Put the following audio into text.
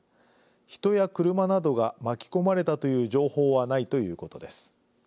人や車などが巻き込まれたという情報はないということです。